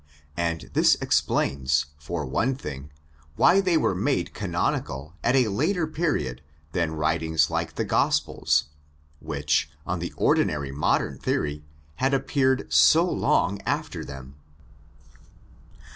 And this explains, for one thing, why they were made canonical at a later period than writings like the 156 THE EPISTLE TO THE ROMANS Gospels, which, on the ordinary modern theory, had appeared so long after them.